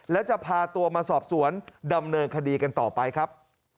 และจะพาตัวมาสอบสวนดำเนินคดีกันต่อไปครับ